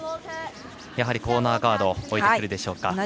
やはりコーナーガードを置いてくるでしょうか。